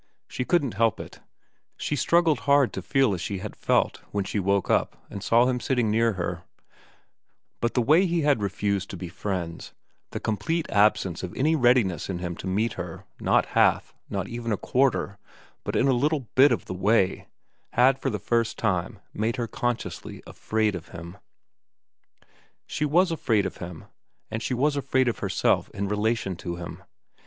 She couldn't help it, she struggled hard to feel as she had felt when she woke up and saw him sitting near her ; but the way he had refused to be friends, the complete absence of any readiness in him to meet her, not half, nor even a quarter, but a little bit of the way, had for the first time made her consciously afraid of him. 249 250 VERA run She was afraid of him, and she was afraid of herself in relation to him.